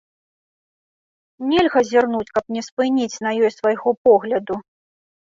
Нельга зірнуць, каб не спыніць на ёй свайго погляду.